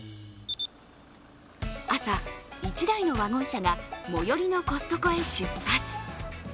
朝、１台のワゴン車が最寄りのコストコへ出発。